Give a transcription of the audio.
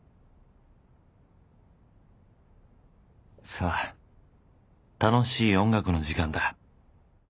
さあ楽しい音楽の時間だ